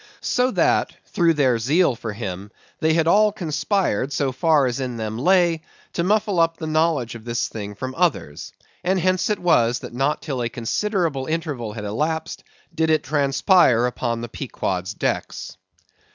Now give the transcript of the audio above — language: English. So that, through their zeal for him, they had all conspired, so far as in them lay, to muffle up the knowledge of this thing from others; and hence it was, that not till a considerable interval had elapsed, did it transpire upon the Pequod's decks.